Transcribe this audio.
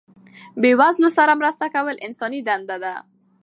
بې وزلو سره مرسته کول انساني دنده ده.